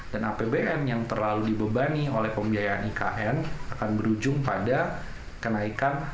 dan apbn yang terlalu dibebani oleh pembiayaan ikn akan berujung pada kenaikan rasio utang